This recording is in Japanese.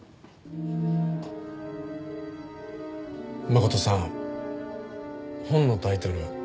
真琴さん本のタイトル